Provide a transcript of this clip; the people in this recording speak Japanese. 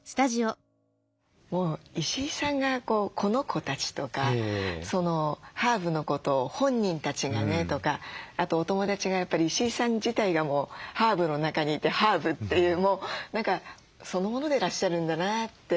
もう石井さんが「この子たち」とかハーブのことを「本人たちがね」とかあとお友達がやっぱり「石井さん自体がハーブの中にいてハーブ」っていうもう何かそのものでいらっしゃるんだなって。